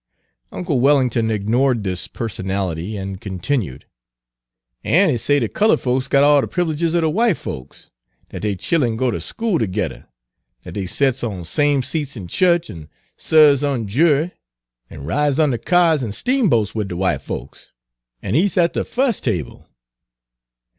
Uncle Wellington ignored this personality, and continued, "An' he say de cullud folks got all de privileges er de w'ite folks, dat dey chillen goes ter school tergedder, dat dey sets on same seats in chu'ch, an' sarves on jury, 'n' rides on de kyars an' steamboats wid de w'ite folks, an' eats at de fus' table."